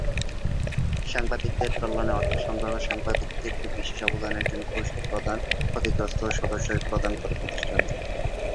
সাংবাদিকদের কল্যাণে অর্থ সংগ্রহ, সাংবাদিকদের বিশেষ অবদানের জন্য পুরস্কার প্রদান, ক্ষতিগ্রস্ত সদস্যদের প্রদান করে প্রতিষ্ঠানটি।